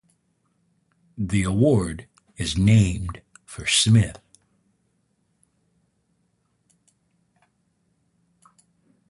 The award is named for Smith.